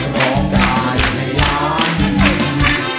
ร้องได้